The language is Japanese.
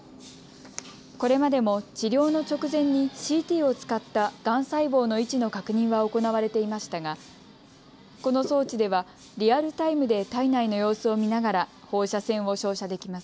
これまでも治療の直前にＣＴを使ったがん細胞の位置の確認は行われていましたがこの装置ではリアルタイムで体内の様子を見ながら放射線を照射できます。